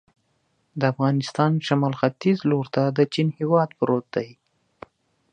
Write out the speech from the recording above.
د افغانستان شمال ختیځ ته لور ته د چین هېواد پروت دی.